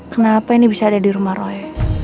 kenapa ini bisa ada di rumah roy